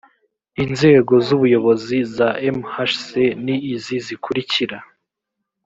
inzego z ubuyobozi za mhc ni izi zikurikira